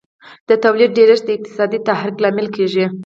د تولید ډېرښت د اقتصادي تحرک لامل کیږي.